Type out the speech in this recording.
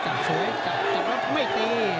จับสวยจับรอบไม่ตี